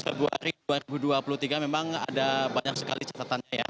sehingga memang ada banyak sekali catatannya ya